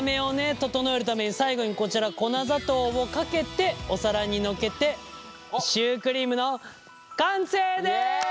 整えるために最後にこちら粉砂糖をかけてお皿に載っけてシュークリームの完成です。